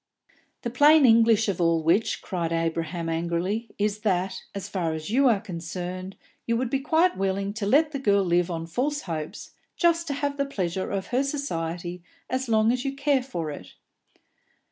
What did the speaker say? "The plain English of all which," cried Abraham angrily, "is, that, as far as you are concerned, you would be quite willing to let the girl live on false hopes, just to have the pleasure of her society as long as you care for it."